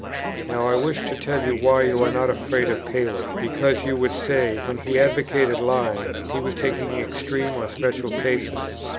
Now I wish to tell you why you are not afraid of Paley; because, you would say, when he advocated lying, he was taking extreme or special cases.